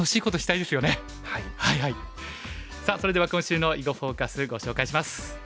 さあそれでは今週の「囲碁フォーカス」ご紹介します。